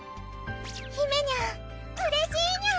ひめにゃんうれしいニャン！